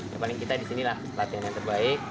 yang paling kita disinilah latihan yang terbaik